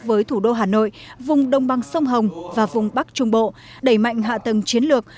với thủ đô hà nội vùng đông băng sông hồng và vùng bắc trung bộ đẩy mạnh hạ tầng chiến lược